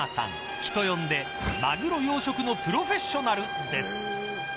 人呼んでマグロ養殖のプロフェッショナルです。